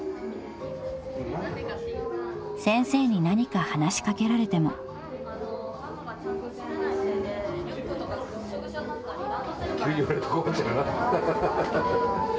［先生に何か話し掛けられても］ハハハ。